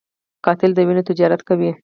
قاتل د وینو تجارت کوي